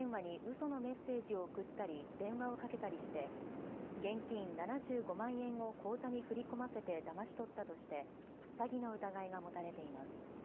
そのメッセージを送ったり電話をかけたりして現金７５万円を口座に振り込ませてだまし取ったとして詐欺の疑いが持たれています。